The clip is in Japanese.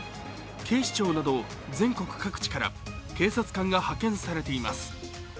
警視庁など全国各地から警察官が派遣されています。